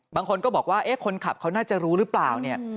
บางคนก็บอกว่าเอ๊ะคนขับเขาน่าจะรู้หรือเปล่าเนี่ย